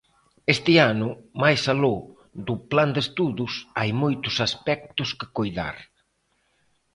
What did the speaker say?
Este ano, máis aló do plan de estudos, hai moitos aspectos que coidar.